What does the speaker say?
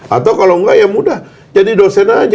atau kalau enggak ya mudah jadi dosen aja